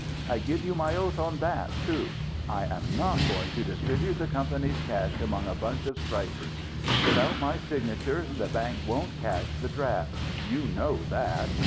I give you my oath on that, too. I am not going to distribute the company's cash among a bunch of strikers. Without my signature, the bank won't cash the draft. You know that.